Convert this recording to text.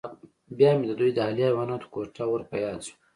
بیا مې د دوی د اهلي حیواناتو کوټه ور په یاد شوه